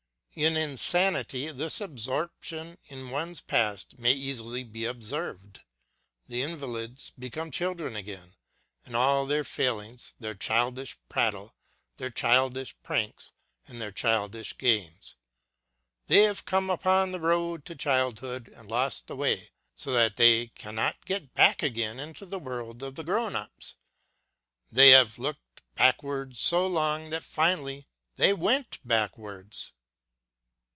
In insanity this absorption in one's past may easily be observed. The invalids become children again, with all their failings, their childish prattle, their childish pranks, and their childish games. They have come upon the road to childhood and lost the way so that they can not get back again into the world of the grown ups. They have looked backwards so long that finally they went backwards.